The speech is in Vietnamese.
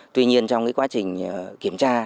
tuy nhiên trong quá trình kiểm tra